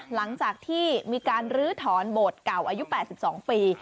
หลังจากที่มีการลื้อถอนโบสถ์เก่าอายุ๘๒ปี